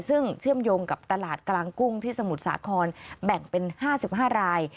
ซึ่งเชื่อมโยงกับตลาดกลางกุ้งที่สมุทรสาครแบ่งเป็น๕๕ราย